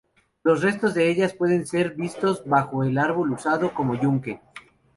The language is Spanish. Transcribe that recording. Los restos de ellas pueden ser vistos bajo el árbol usado como yunque.